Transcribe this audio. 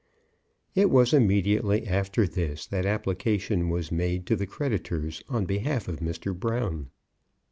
It was immediately after this that application was made to the creditors on behalf of Mr. Brown.